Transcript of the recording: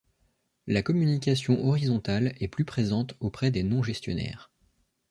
La communication horizontale est plus présente auprès des non-gestionnaires.